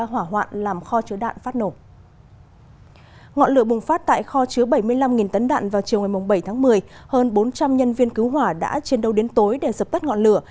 hơn bốn trăm linh nhân viên cứu hỏa đã chiến đấu đến tối để dập tắt ngọn lửa